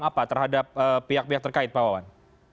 apa terhadap pihak pihak terkait pak wawan